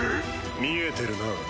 見えてるな？